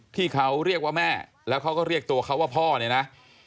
ที่เขาเรียกว่าแม่แล้วเขาก็เรียกตัวเขาว่าพ่อเนี่ยนะ